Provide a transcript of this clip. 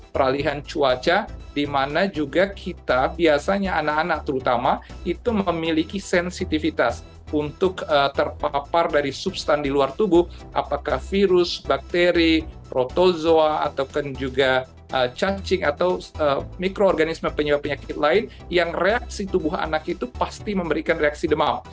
peralihan cuaca dimana juga kita biasanya anak anak terutama itu memiliki sensitivitas untuk terpapar dari substan di luar tubuh apakah virus bakteri protozoa atau kan juga cacing atau mikroorganisme penyebab penyakit lain yang reaksi tubuh anak itu pasti memberikan reaksi demam